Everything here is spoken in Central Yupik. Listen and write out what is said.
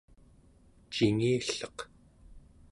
cingilleq